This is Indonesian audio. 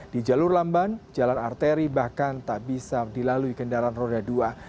di jalur lamban jalan arteri bahkan tak bisa dilalui kendaraan roda dua